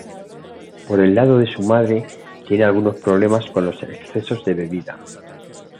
Por el lado de su madre, tiene algunos problemas con los excesos de bebida.